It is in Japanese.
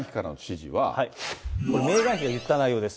これ、メーガン妃が言った内容です。